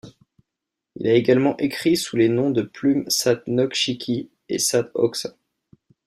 Il a également écrit sous les noms de plume Sat Nokshiqi et Sat Hoxha.